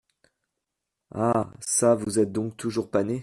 Ah ! ça vous êtes donc toujours pané !